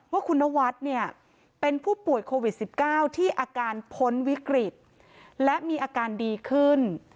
ว่าคุณนวัดเนี่ยเป็นผู้ป่วยโควิด๑๙ที่อาการพ้นวิกฤตและมีอาการดีขึ้น